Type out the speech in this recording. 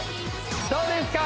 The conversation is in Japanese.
どうですか？